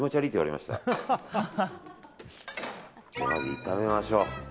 まずは炒めましょう。